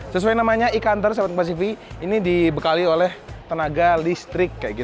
sesuai namanya e counter south pasifik ini dibekali oleh tenaga listrik